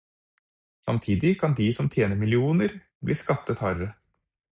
Samtidig kan de som tjener millioner bli skattet hardere.